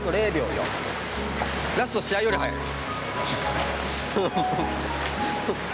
ラスト試合より速い。